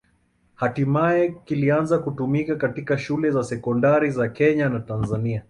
Hatimaye kilianza kutumika katika shule za sekondari za Tanzania na Kenya.